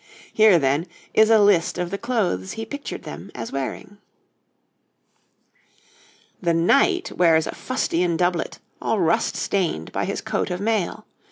Here, then, is a list of the clothes he pictured them as wearing: [Illustration {The knight}] THE KNIGHT wears a fustian doublet, all rust stained by his coat of mail.